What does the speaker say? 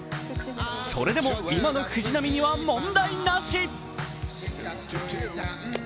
それでも今の藤浪には問題なし。